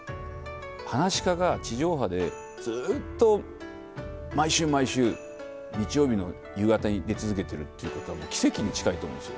はなし家が地上波でずっと毎週毎週、日曜日の夕方に出続けてるということは、奇跡に近いと思うんですよ。